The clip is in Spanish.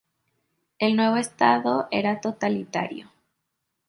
El nuevo Estado era totalitario.